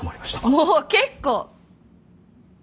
もう結構！